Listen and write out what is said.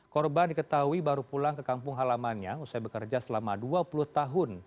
korban diketahui baru pulang ke kampung halamannya usai bekerja selama dua puluh tahun